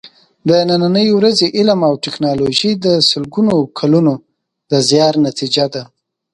د نننۍ ورځې علم او ټېکنالوجي د سلګونو کالونو د زیار نتیجه ده.